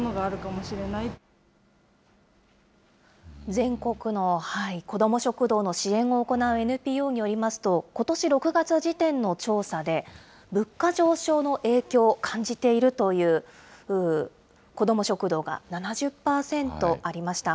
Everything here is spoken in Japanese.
全国の子ども食堂の支援を行うＮＰＯによりますと、ことし６月時点の調査で、物価上昇の影響、感じているという子ども食堂が７０％ありました。